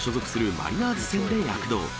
マリナーズ戦で躍動。